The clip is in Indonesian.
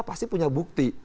pasti punya bukti